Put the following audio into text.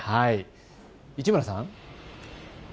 市村さん。